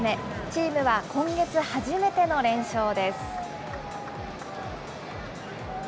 チームは今月初めての連勝です。